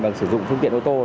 bằng sử dụng phương tiện ô tô